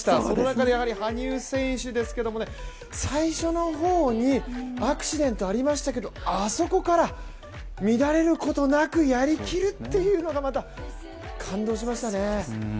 その中でやはり羽生選手ですけども、最初の方にアクシデントありましたけどもあそこから乱れることなくやりきるというのがまた、感動しましたね。